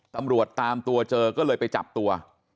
ตำรวจตามตัวเจอก็เลยไปจับตัว